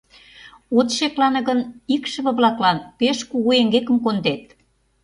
От шеклане гын, икшыве-влаклан пеш кугу эҥгекым кондет.